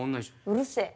うるせえ。